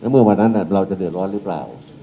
เมื่อวันนั้นเราจะเดือดร้อนหรือเปล่า